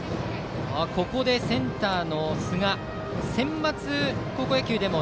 ここでセンターの寿賀センバツ高校野球でも